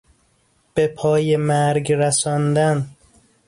به پای مرگ رساندن